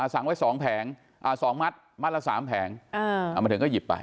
สั่งไว้๒แผง๒มัดมัดละ๓แผงเอามาถึงก็หยิบไป